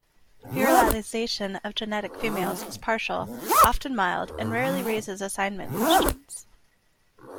Virilization of genetic females is partial, often mild, and rarely raises assignment questions.